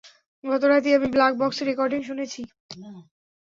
গত রাতেই আমি ব্ল্যাক বক্সে রেকর্ডিং শুনেছি।